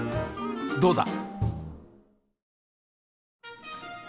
どうだ？